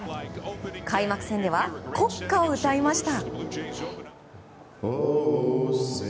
開幕戦では、国歌を歌いました。